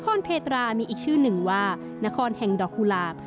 เพตรามีอีกชื่อหนึ่งว่านครแห่งดอกกุหลาบ